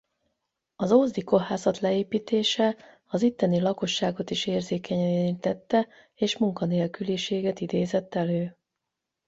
Az ózdi kohászat leépítése az itteni lakosságot is érzékenyen érintette és munkanélküliséget idézett elő.